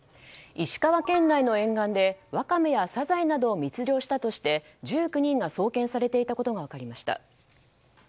石川県内の沿岸でワカメやサザエなどを密漁したとして１９人が送検されていたことが分かりました。